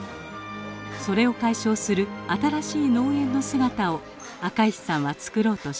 それを解消する新しい農園の姿を赤石さんは作ろうとしています。